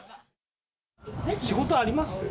仕事あります？